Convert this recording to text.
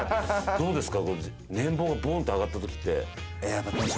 どうですか？